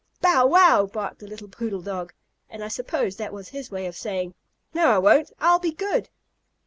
"Bow wow!" barked the little poodle dog. And I suppose that was his way of saying: "No, I won't! I'll be good."